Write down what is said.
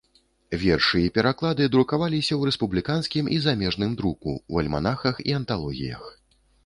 Вершы і пераклады друкаваліся ў рэспубліканскім і замежным друку, у альманахах і анталогіях.